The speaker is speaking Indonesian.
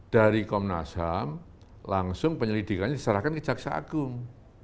dari komnas ham langsung penyelidikannya diserahkan ke jaksa agung